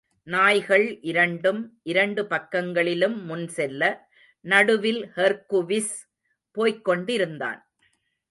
நாய்கள் இரண்டும் இரண்டு பக்கங்களிலும் முன்செல்ல, நடுவில் ஹெர்க்குவிஸ் போய்க் கொண்டிருந்தான்.